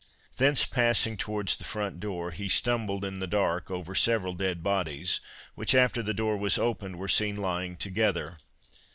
Thence passing towards the front door, he stumbled in the dark over several dead bodies, which, after the door was opened, were seen lying together.